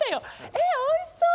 えおいしそう！